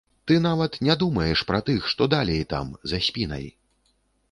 Ты нават не думаеш пра тых, што далей там, за спінай.